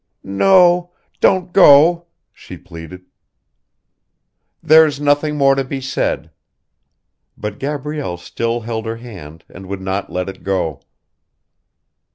"No ... don't go!" she pleaded. "There's nothing more to be said." But Gabrielle still held her hand and would not let it go.